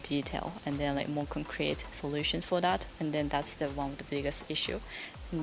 kita harus mencari masalah yang lebih detail dan lebih terkait